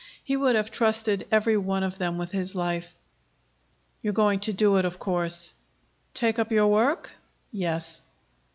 He would have trusted every one of them with his life. "You're going to do it, of course." "Take up your work?" "Yes."